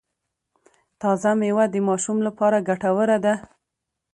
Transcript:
تازه میوه د ماشوم لپاره ګټوره ده۔